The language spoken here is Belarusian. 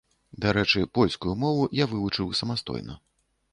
Дарэчы, польскую мову я вывучыў самастойна.